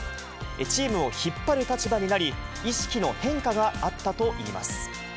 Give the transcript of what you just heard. チームを引っ張る立場になり、意識の変化があったといいます。